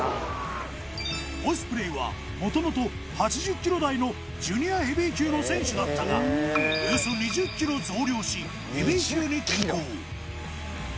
オスプレイはもともと８０キロ台のジュニアヘビー級の選手だったがおよそ２０キロ増量しヘビー級に転向。